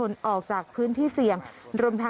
น้ำป่าเสดกิ่งไม้แม่ระมาศ